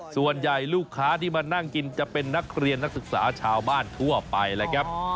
ส่วนใหญ่ลูกค้าที่มานั่งกินจะเป็นนักเรียนนักศึกษาชาวบ้านทั่วไปแหละครับ